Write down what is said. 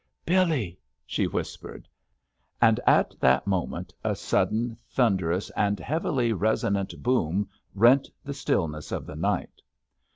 "Billy," she whispered. And at that moment a sudden thunderous and heavily resonant boom rent the stillness of the night.